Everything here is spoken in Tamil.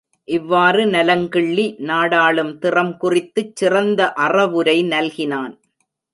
இவ்வாறு நலங்கிள்ளி நாடாளும் திறம் குறித்துச் சிறந்த அறவுரை நல்கினான்.